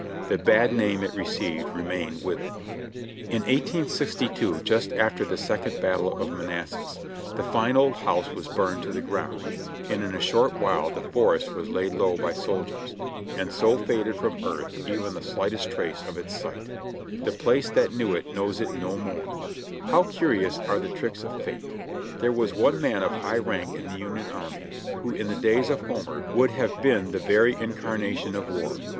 The bad name it re ceived remained with it. In 1862, just after the Second Battle of Manassas, the fine old house was burned to the ground ; and in a short while the forest was laid low by soldiers ; and so faded from earth even the slight est trace of its site. The place that knew it knows it now no more — Sic transit. How curious are the tricks of fate. There was one man of high rank in the Union Army, who in the days of Homer would have been the very incarnation of War.